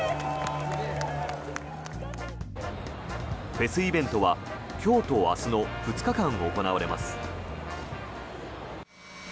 フェスイベントは今日と明日の２日間行われます。